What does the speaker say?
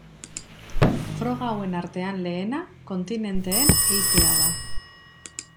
Froga hauen artean lehena kontinenteen eitea da.